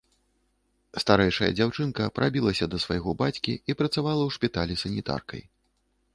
Старэйшая дзяўчынка прабілася да свайго бацькі і працавала ў шпіталі санітаркай.